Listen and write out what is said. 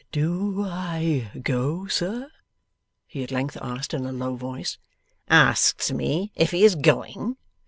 'Do I go, sir?' he at length asked in a low voice. 'Asks me if he is going!